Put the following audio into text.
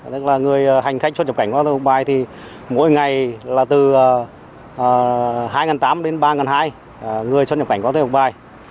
tức là người hành khách xuất nhập cảnh quá cờ khẩu tới một bài thì mỗi ngày là từ hai nghìn tám đến hai nghìn hai người xuất nhập cảnh quá cờ khẩu tới một bài